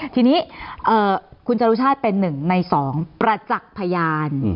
ทีนี้คุณจารุชาติเป็นหนึ่งในสองประจักษ์พยาน